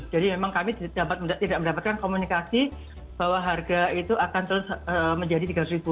jadi memang kami tidak mendapatkan komunikasi bahwa harga itu akan terus menjadi tiga ratus ribu